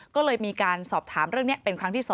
ก็เลยมีการสอบถามเรื่องนี้เป็นครั้งที่๒